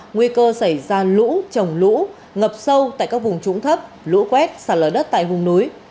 nguy cơ xảy ra lũ trồng lũ ngập sâu tại các vùng trũng thấp lũ quét sạt lở đất tại hùng núi